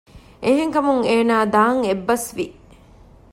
އެހެންކަމުން އޭނާ ދާން އެއްބަސްވި